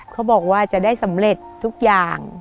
เขาบอกว่าจะได้สำเร็จทุกอย่าง